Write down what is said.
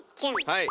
はい。